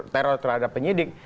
teror terhadap penyidik